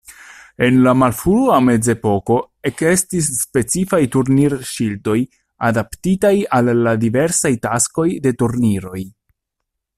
En la malfrua mezepoko ekestis specifaj turnir-ŝildoj, adaptitaj al la diversaj taskoj de turniroj.